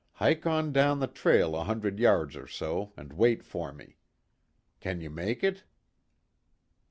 Hike on down the trail a hundred yards or so and wait for me. Can you make it?"